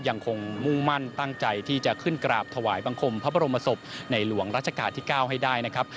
ยังคงมุ่งมั่นตั้งใจที่จะขึ้นกราบถวายบังคมพระบรมศพในหลวงรัชกาลที่๙ให้ได้นะครับ